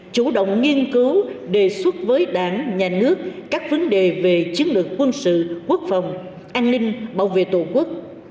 chủ động nghiên cứu đề xuất với đảng nhà nước các vấn đề về chiến lược quân sự quốc phòng an ninh bảo vệ tổ quốc